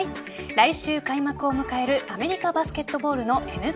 来週、開幕を迎えるアメリカバスケットボールのＮＢＡ。